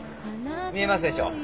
見えますでしょう。